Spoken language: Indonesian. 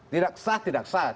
tidak sah tidak sah